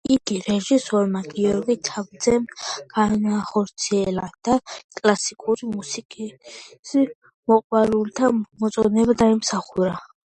იგი რეჟისორმა გიორგი თავაძემ განახორციელა და კლასიკური მუსიკის მოყვარულთა მოწონება დაიმსახურა.